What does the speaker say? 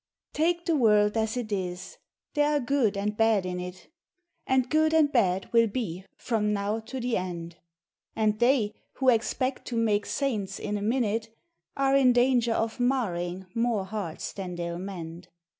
Take the world as it is! — there are good and bad in it, And good and bad will be from now to the end ; And they, who expect to make saints in a min ute, Are in danger of marring more hearts than they Ml mend.